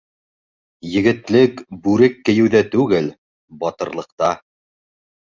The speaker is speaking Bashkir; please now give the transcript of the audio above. Егетлек бүрек кейеүҙә түгел, батырлыҡта.